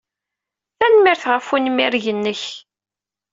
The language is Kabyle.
Tanemmirt ɣef unmireg-nnek.